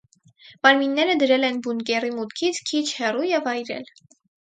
Մարմինները դրել են բունկերի մուտքից քիչ հեռու և այրել։